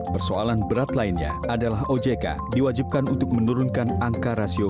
persoalan berat lainnya adalah ojk diwajibkan untuk menurunkan angka rasio